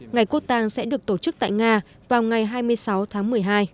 ngày quốc tàng sẽ được tổ chức tại nga vào ngày hai mươi sáu tháng một mươi hai